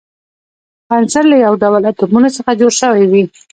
عنصر له یو ډول اتومونو څخه جوړ شوی وي.